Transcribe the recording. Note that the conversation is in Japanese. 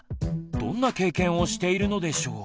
どんな経験をしているのでしょう？